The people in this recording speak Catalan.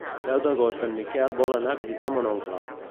El deu d'agost en Miquel vol anar a visitar mon oncle.